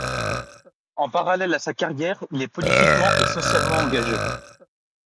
En parallèle à sa carrière, il est politiquement et socialement engagé.